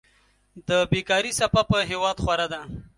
د بيکاري څپه په هېواد خوره ده.